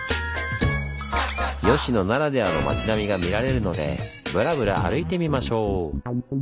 吉野ならではの町並みが見られるのでブラブラ歩いてみましょう！